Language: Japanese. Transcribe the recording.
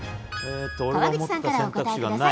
川口さんからお答えください。